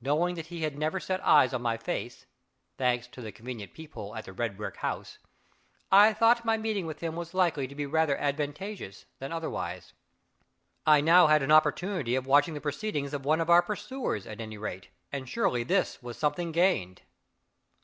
Knowing that he had never set eyes on my face (thanks to the convenient peephole at the red brick house), I thought my meeting with him was likely to be rather advantageous than otherwise. I had now an opportunity of watching the proceedings of one of our pursuers, at any rate and surely this was something gained.